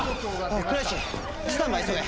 倉石スタンバイ急げ。